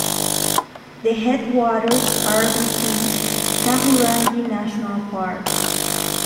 The headwaters are within Kahurangi National Park.